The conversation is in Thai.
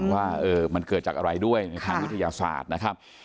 ว่ามันเกิดจากอะไรด้วยในทางวิทยาศาสตร์นะครับ